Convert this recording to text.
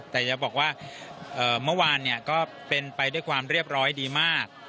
แต่จะบอกว่าเมื่อวานก็เป็นไปด้วยความเรียบร้อยดีมาก